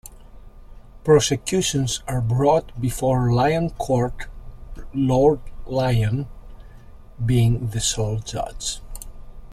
Prosecutions are brought before Lyon Court, Lord Lyon being the sole judge.